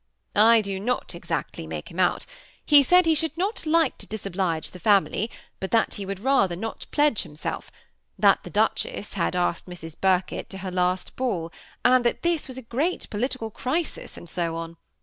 ^ I do not exactly make him out : he said he should not like to disoblige the family, but that he would rather not pledge himself; that the duchess had asked Mrs. Birkett to her last ball, and that this was a great political crisis, and so on.